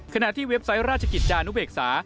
ที่เว็บไซต์ราชกิจจานุเบกษา